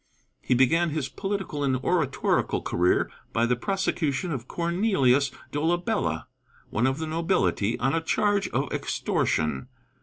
He began his political and oratorical career by the prosecution of Cornelius Dolabella, one of the nobility, on a charge of extortion.